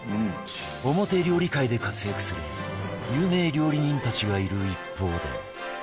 表料理界で活躍する有名料理人たちがいる一方で